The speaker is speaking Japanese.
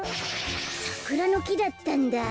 サクラのきだったんだ。